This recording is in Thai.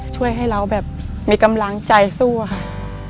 ช่วยให้เราแบบมีกำลังใจสู้ค่ะ